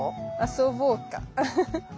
遊ぼうか。